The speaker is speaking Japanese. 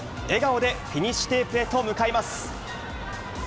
笑顔でフィニッシュテープへと向かいます。